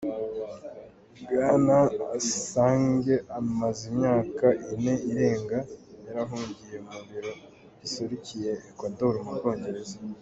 Bwana Assange amaze imyaka ine irenga yarahungiye mu biro biserukiye Ecuador mu Bwongereza.